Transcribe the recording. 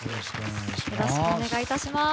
よろしくお願いします。